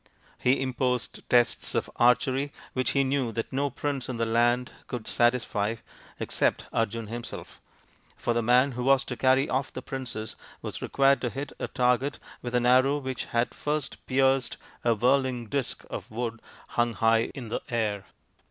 He imposed tests of archery which he knew that no prince in the land could satisfy except Arjun himself ; for the man who was to carry off the princess was required to hit a target with an arrow which had first pierced a whirling disc of wood hung high in the air.